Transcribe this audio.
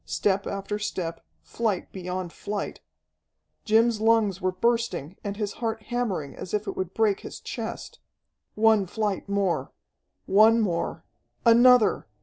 Step after step, flight beyond flight! Jim's lungs were bursting, and his heart hammering as if it would break his chest. One flight more! One more! Another!